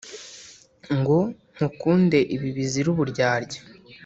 ngo nkukunde ibi bizira uburyarya